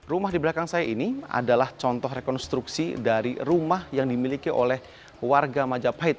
rumah di belakang saya ini adalah contoh rekonstruksi dari rumah yang dimiliki oleh warga majapahit